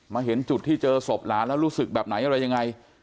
เห็นจุดที่เจอศพหลานแล้วรู้สึกแบบไหนอะไรยังไง